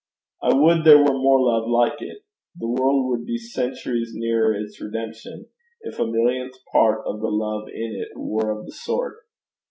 I would there were more love like it: the world would be centuries nearer its redemption if a millionth part of the love in it were of the sort.